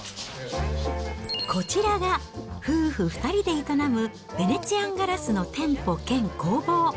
こちらが夫婦２人で営む、ヴェネツィアンガラスの店舗兼工房。